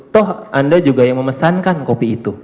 toh anda juga yang memesankan kopi itu